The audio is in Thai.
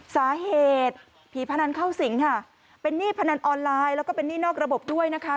สาเหตุผีพนันเข้าสิงค่ะเป็นหนี้พนันออนไลน์แล้วก็เป็นหนี้นอกระบบด้วยนะคะ